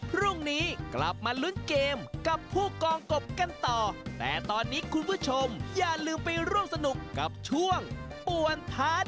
พรุ่งนี้กลับมาลุ้นเกมกับผู้กองกบกันต่อ